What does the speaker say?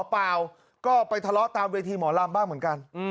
เปล่าก็ไปทะเลาะตามเวทีหมอลำบ้างเหมือนกัน